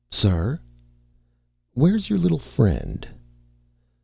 "Sir?" "Where's your little friend?"